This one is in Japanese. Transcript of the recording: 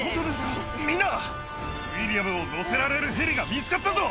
みんな、ウィリアムを乗せられるヘリが見つかったぞ。